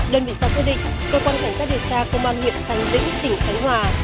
đơn vị xã quyết định cơ quan cảnh sát điều tra công an huyện vạn ninh tỉnh thánh hòa